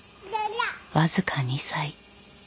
僅か２歳。